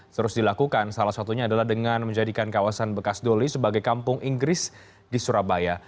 terus dilakukan salah satunya adalah dengan menjadikan kawasan bekas doli sebagai kampung inggris di surabaya